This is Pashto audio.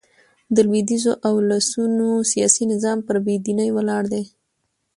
د لوېدیځو اولسونو سیاسي نظام پر بې دينۍ ولاړ دئ.